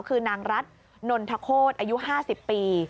คือนางรัฐนนทโคตรอายุ๕๐ปี